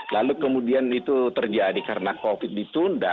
lalu kemudian itu terjadi karena covid ditunda